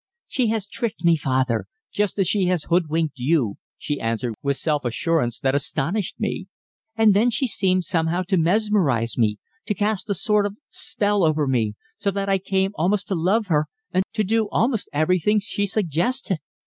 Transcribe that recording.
"She has tricked me, father, just as she has hoodwinked you," she answered, with self assurance that astonished me. "And then she seemed somehow to mesmerize me, to cast a sort of spell over me, so that I came almost to love her, and to do almost everything she suggested.